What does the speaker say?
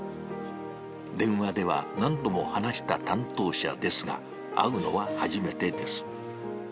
電話では何度も話した担当者ですが、会うのは初めてです。